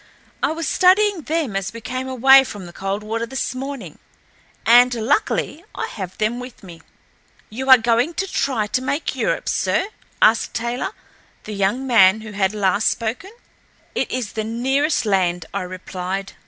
I was studying them as we came away from the Coldwater this morning, and luckily I have them with me." "You are going to try to make Europe, sir?" asked Taylor, the young man who had last spoken. "It is the nearest land," I replied.